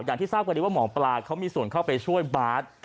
อย่างที่ทราบกันดีว่าหมอปลาเขามีส่วนเข้าไปช่วยบาส